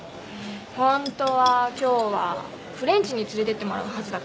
ホントは今日はフレンチに連れてってもらうはずだったから。